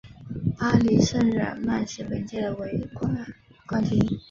巴黎圣日耳曼是本届的卫冕冠军。